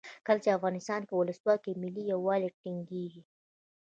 کله چې افغانستان کې ولسواکي وي ملي یووالی ټینګیږي.